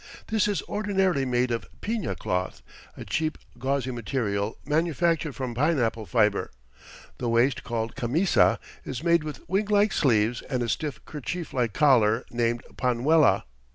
This is ordinarily made of piña cloth, a cheap, gauzy material, manufactured from pineapple fiber. The waist, called camisa, is made with winglike sleeves and a stiff kerchief like collar, named panuela.